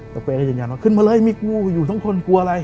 เจ้าเป๊ก็จริงว่าขึ้นมาเลยมีกูอยู่ทั้งคนกลัวอะไร